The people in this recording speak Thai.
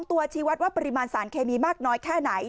ตัวชีวัตรว่าปริมาณสารเคมีมากน้อยแค่ไหน